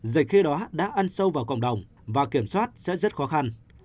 dịch khê đó đã ăn sâu vào cộng đồng và kiểm soát sẽ rất khó khăn